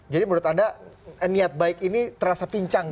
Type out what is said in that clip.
menurut anda niat baik ini terasa pincang